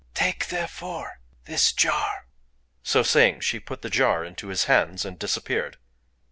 Take, therefore, this jar." So saying, she put the jar into his hands, and disappeared.